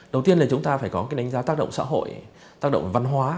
đầu tiên là chúng ta phải có cái đánh giá tác động xã hội tác động văn hóa